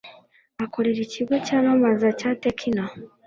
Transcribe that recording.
Akorera ikigo cyamamaza cya tecno.